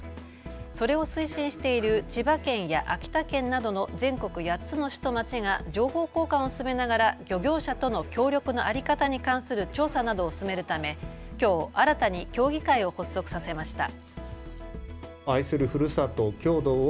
それを推進している千葉県や秋田県などの全国８つの市と町が情報交換を進めながら漁業者との協力の在り方に関する調査などを進めるためきょう新たに協議会を発足させました。